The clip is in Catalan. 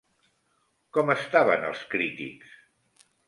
Com estaven els crítics?